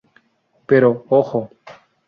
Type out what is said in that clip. Pero ¡ojo!